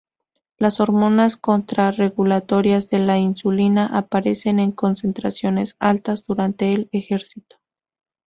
Las hormonas contra-regulatorias de la insulina, aparecen en concentraciones altas durante el ejercicio.